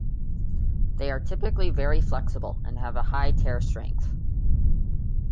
They are typically very flexible and have a high tear strength.